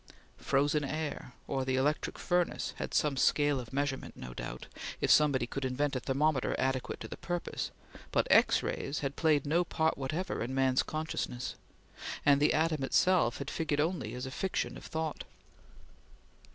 Frozen air, or the electric furnace, had some scale of measurement, no doubt, if somebody could invent a thermometer adequate to the purpose; but X rays had played no part whatever in man's consciousness, and the atom itself had figured only as a fiction of thought.